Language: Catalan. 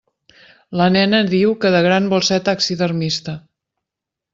La nena diu que de gran vol ser taxidermista.